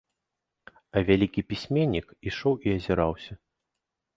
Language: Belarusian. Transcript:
А вялікі пісьменнік ішоў і азіраўся.